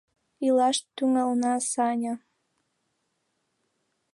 — Илаш тӱҥалына, Саня!